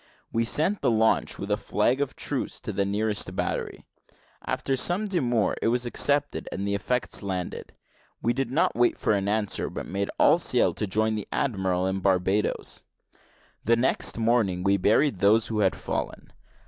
We sent the launch with a flag of truce to the nearest battery; after some demur it was accepted, and the effects landed. We did not wait for an answer, but made all sail to join the admiral at Barbadoes. The next morning we buried those who had fallen.